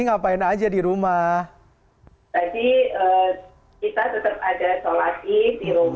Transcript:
di rumah ada sholatis di rumah di dekat musulah di penelusian